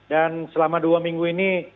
dan selama dua minggu ini